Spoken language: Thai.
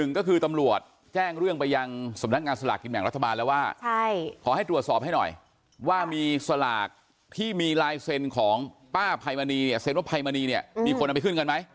ก็คือตำรวจแจ้งเรื่องไปยังสำนักงานสลากกินแบ่งรัฐบาลแล้วว่าขอให้ตรวจสอบให้หน่อยว่ามีสลากที่มีลายเซ็นต์ของป้าไพมณีเซ็นว่าภัยมณีเนี่ยมีคนเอาไปขึ้นเงินไหม